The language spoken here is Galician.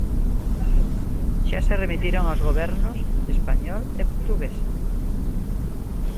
Xa se remitiron aos gobernos español e portugués.